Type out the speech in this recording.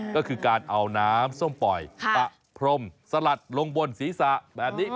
ก็คือการเอาน้ำส้มปล่อยปะพรมสลัดลงบนศีรษะแบบนี้